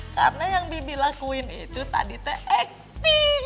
karena yang bibi lakuin itu tadi teh acting